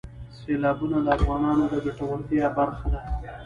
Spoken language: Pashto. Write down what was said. سیلابونه د افغانانو د ګټورتیا برخه ده.